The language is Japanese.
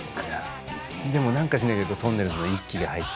でも何か知らないけどとんねるずの「一気！」が入ってる。